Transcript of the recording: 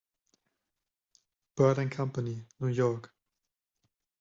Burt and Company, New York.